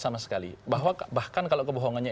sama sekali bahwa bahkan kalau kebohongannya